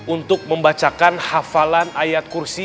untuk membacakan hafalan ayat kursi